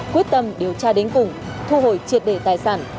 quyết tâm điều tra đến cùng thu hồi triệt để tài sản